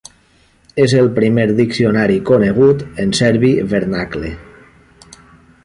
És el primer diccionari conegut en serbi vernacle.